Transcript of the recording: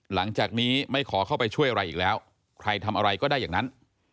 หลังจากนี้ไม่ขอเข้าไปช่วยอะไรอีกแล้วใครทำอะไรก็ได้อย่างนั้น